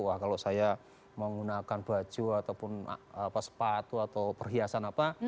wah kalau saya menggunakan baju ataupun sepatu atau perhiasan apa